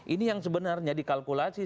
ini yang sebenarnya dikalkulasi